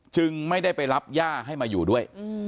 จึงไม่ได้ไปรับย่าให้มาอยู่ด้วย